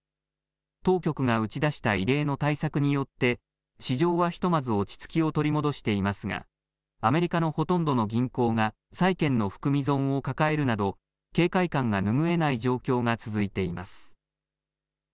当局が打ち出した異例の対策によって市場はひとまず落ち着きを取り戻していますがアメリカのほとんどの銀行が債券の含み損を抱えるなど警戒感が拭えない状況が続いています。